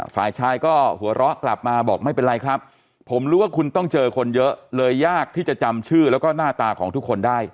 ฝ่ายชายก็หัวเราะกลับมาบอกไม่เป็นไรครับผมรู้ว่าคุณต้องเจอคนเยอะเลยยากที่จะจำชื่อแล้วก็หน้าตาของทุกคนได้